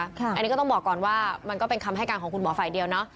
อันนี้ก็ต้องบอกก่อนว่ามันก็เป็นคำให้การของคุณหมอฝ่ายเดียวเนาะ